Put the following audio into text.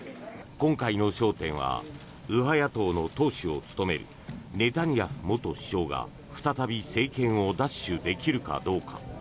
今回の焦点は右派野党の党首を務めるネタニヤフ元首相が再び政権を奪取できるかどうか。